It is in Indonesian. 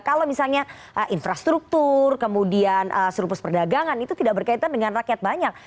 kalau misalnya infrastruktur kemudian surplus perdagangan itu tidak berkaitan dengan rakyat banyak